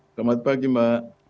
selamat pagi mbak